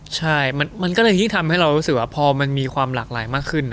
ใช่มันก็เลยยิ่งทำให้เรารู้สึกว่าพอมันมีความหลากหลายมากขึ้น